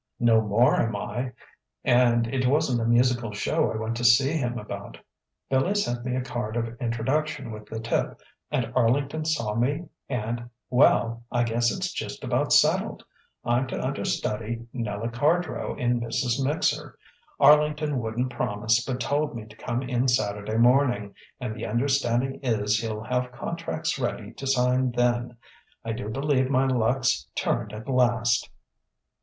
"No more am I, and it wasn't a musical show I went to see him about. Billy sent me a card of introduction with the tip, and Arlington saw me and well, I guess it's just about settled. I'm to understudy Nella Cardrow in 'Mrs. Mixer.' Arlington wouldn't promise, but told me to come in Saturday morning, and the understanding is he'll have contracts ready to sign then. I do believe my luck's turned at last!"